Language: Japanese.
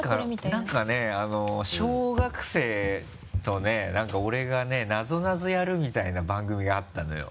何かね小学生とね何か俺がねなぞなぞやるみたいな番組があったのよ。